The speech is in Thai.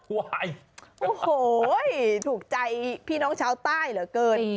โอ้โหถูกใจพี่น้องชาวใต้เหลือเกิน